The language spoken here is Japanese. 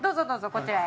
こちらへ。